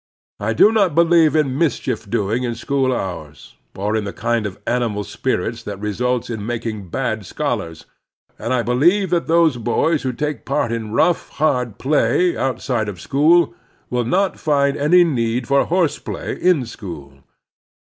I do not believe in mischief doing in school hours, or in the kind of animal spirits that results in making bad 154 The Strenuous Life scholars ; and I believe that those boys who take part in rough, hard play outside of school will not find any need for horse play in school.